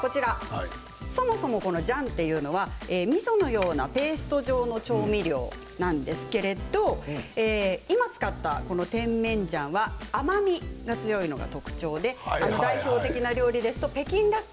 そもそも醤というのはみそのようなペースト状の調味料なんですけれど今、使った甜麺醤は甘みが強いのが特徴でそのまんまね。